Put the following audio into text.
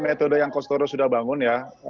metode yang kostoro sudah bangun ya